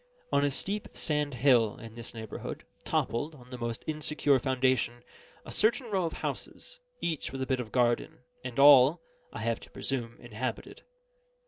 On a steep sand hill, in this neighbourhood, toppled, on the most insecure foundation, a certain row of houses, each with a bit of garden, and all (I have to presume) inhabited.